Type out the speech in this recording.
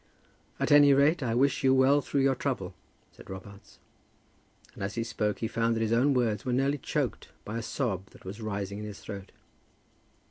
"At any rate I wish you well through your trouble," said Robarts; and as he spoke he found that his own words were nearly choked by a sob that was rising in his throat.